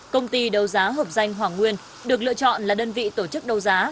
công ty đầu giá hợp danh hoàng nguyên được lựa chọn là đơn vị tổ chức đầu giá